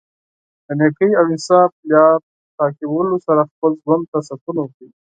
د نېکۍ او انصاف لار تعقیبولو سره خپله ژوند ته سکون ورکوي.